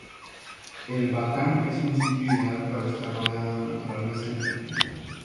El Batán es un sitio ideal para estar rodeado de naturaleza y tranquilidad.